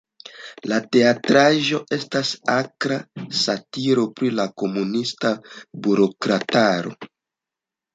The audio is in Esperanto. La teatraĵo estas akra satiro pri la komunista burokrataro.